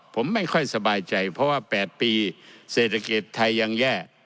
ผมไม่ค่อยสบายใจเพราะว่า๘ปีเศรษฐกิจไทยยังแย่